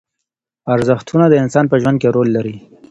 ارزښتونه د انسان په ژوند کې رول لري.